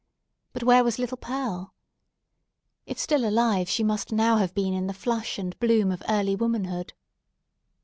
But where was little Pearl? If still alive she must now have been in the flush and bloom of early womanhood.